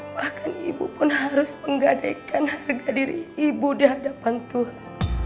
bahkan ibu pun harus menggadaikan harga diri ibu dihadapan tuhan